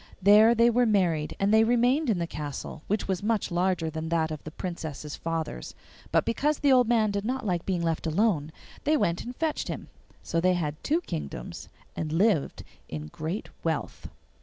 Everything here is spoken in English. There they were married, and they remained in the castle, which was much larger than that of the Princess's father's. But because the old man did not like being left alone, they went and fetched him. So they had two kingdoms and lived in great wealth.